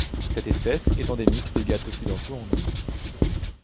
Cette espèce est endémique des Ghats occidentaux en Inde.